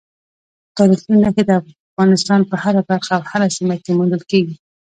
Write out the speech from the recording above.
تاریخي نښې د افغانستان په هره برخه او هره سیمه کې موندل کېږي.